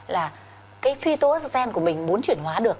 là cái phyto oxygen của mình muốn chuyển hóa được